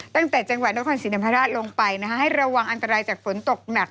ตั้งแต่จังหวัดนครศรีธรรมราชลงไปให้ระวังอันตรายจากฝนตกหนัก